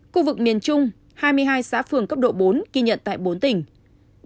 khu vực miền trung hai mươi hai xã phường cấp độ bốn ghi nhận tại bốn tỉnh